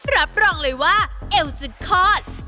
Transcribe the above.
รับรองเลยว่าเอวจะคลอด